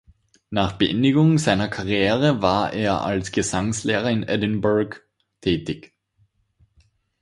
Nach Beendigung seiner Karriere war er als Gesangslehrer in Edinburgh tätig.